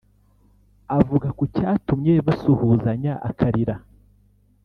Avuga ku cyatumye basuhuzanya akarira